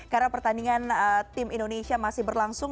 karena pertandingan tim indonesia masih berlangsung